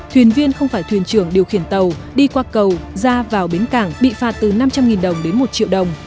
thuyền viên không phải thuyền trưởng điều khiển tàu đi qua cầu ra vào bến cảng bị phạt từ năm trăm linh đồng đến một triệu đồng